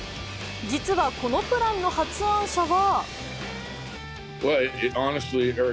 実はこのプランの発案者は。